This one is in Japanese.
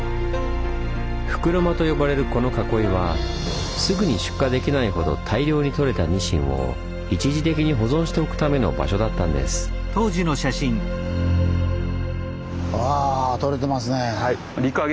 「袋澗」と呼ばれるこの囲いはすぐに出荷できないほど大量にとれたニシンを一時的に保存しておくための場所だったんです。ああ。